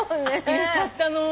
入れちゃった。